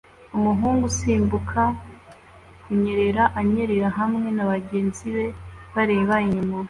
Umuhungu usimbuka kunyerera anyerera hamwe nabagenzi be bareba inyuma